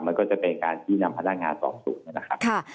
มันก็จะเป็นการที่นำพนักงานสอบสวนนะครับ